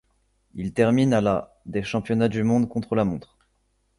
Il termine a la des championnats du monde contre-la-montre.